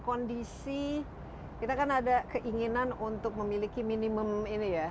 kondisi kita kan ada keinginan untuk memiliki minimum ini ya